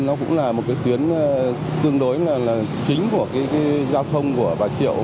nó cũng là một cái tuyến tương đối là chính của cái giao thông của bà triệu